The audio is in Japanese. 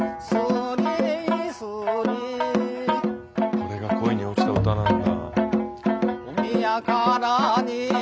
これが恋に落ちた歌なんだ。